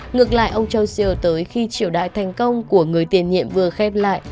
ngược lại ông châu tới khi triều đại thành công của người tiền nhiệm vừa khép lại